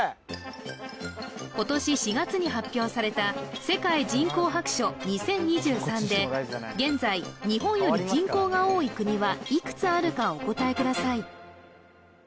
今年４月に発表された「世界人口白書２０２３」で現在日本より人口が多い国はいくつあるかお答えください